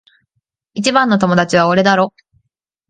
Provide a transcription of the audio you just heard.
一番の友達は俺だろ？